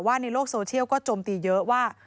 ในโลกโซเชียลก็โจมตีเยอะว่า